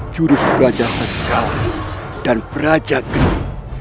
juruf praja tenggara dan praja genggara